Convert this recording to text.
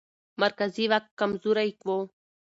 مرکزي واک کمزوری و.